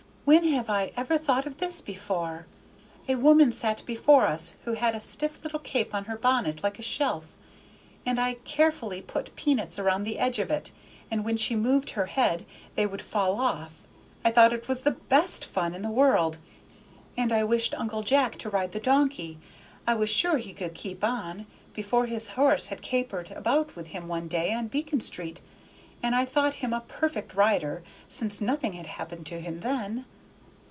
when have I ever thought of this before! a woman sat before us who had a stiff little cape on her bonnet like a shelf, and I carefully put peanuts round the edge of it, and when she moved her head they would fall. I thought it was the best fun in the world, and I wished Uncle Jack to ride the donkey; I was sure he could keep on, because his horse had capered about with him one day on Beacon Street, and I thought him a perfect rider, since nothing had happened to him then."